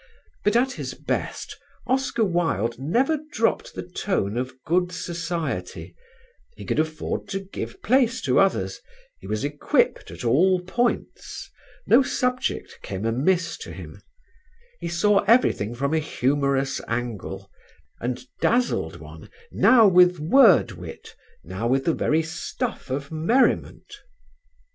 But at his best Oscar Wilde never dropped the tone of good society: he could afford to give place to others; he was equipped at all points: no subject came amiss to him: he saw everything from a humorous angle, and dazzled one now with word wit, now with the very stuff of merriment.